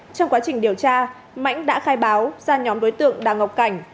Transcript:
trong quá trình điều tra mãnh đã khai báo ra nhóm đối tượng đào ngọc cảnh